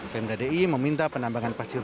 pemda di meminta penambangan pasir